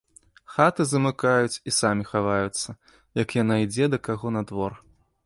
Хаты замыкаюць і самі хаваюцца, як яна ідзе да каго на двор.